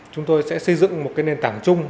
chúng tôi sẽ xây dựng một nền tảng chung